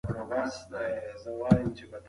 آیا خلک په اپارتمانونو کې خوشحاله دي؟